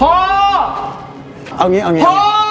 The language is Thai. เอาอย่างนี้เอาอย่างนี้